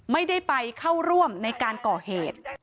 ไม่ได้ไปเข้าร่วมในการก่อเหตุ